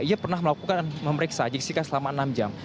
ia pernah melakukan dan memeriksa jessica selama enam jam